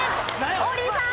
王林さん。